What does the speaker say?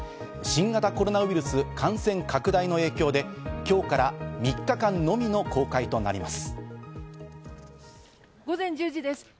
新型コロナウイルス感染拡大の影響で、今日から３日間のみの公開午前１０時です。